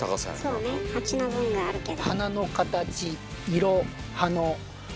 そうね鉢の分があるけど。